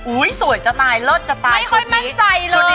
อุ๊ยสวยจะตายเลิศจะตายชุดนี้ไม่ค่อยมั่นใจเลย